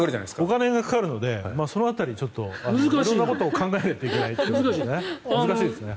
お金がかかるのでその辺り、ちょっと色んなことを考えないといけないですね。